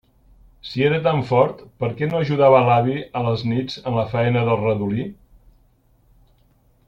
Si era tan fort, per què no ajudava l'avi a les nits en la faena del redolí?